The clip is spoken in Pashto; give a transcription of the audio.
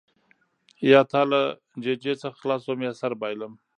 یا تا له ججې څخه خلاصوم یا سر بایلم.